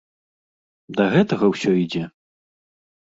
Да гэтага ўсё ідзе?